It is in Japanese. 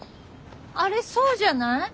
あれそうじゃない？